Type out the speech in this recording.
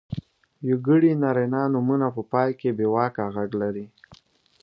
یوګړي نرينه نومونه په پای کې بېواکه غږ لري.